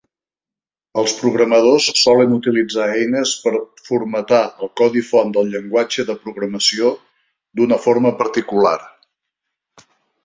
Els programadors solen utilitzar eines per formatar el codi font del llenguatge de programació d'una forma particular.